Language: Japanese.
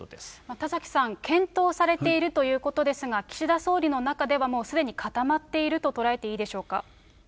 田崎さん、検討されているということですが、岸田総理の中ではもうすでに固まっていると捉えていいでしょうか。